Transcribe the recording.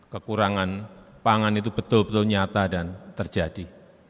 kekurangan pangan itu betul betul nyata dan terjadi